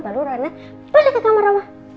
balik ke kamar oma